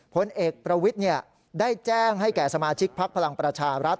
ผลเอกประวิทย์ได้แจ้งให้แก่สมาชิกพักพลังประชารัฐ